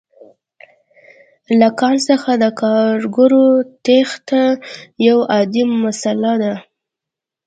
له کان څخه د کارګرو تېښته یوه عادي مسئله ده